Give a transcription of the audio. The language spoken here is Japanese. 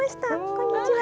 こんにちは。